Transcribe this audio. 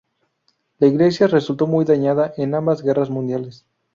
La iglesia resultó muy dañada en ambas guerras mundiales.